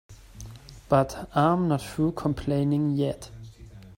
But I'm not through complaining yet.